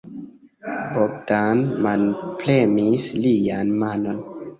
Bogdan manpremis lian manon.